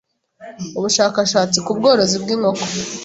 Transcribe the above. ubushakashatsi ku bworozi bw’inkoko